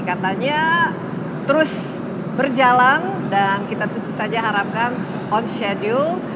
katanya terus berjalan dan kita terus harapkan on schedule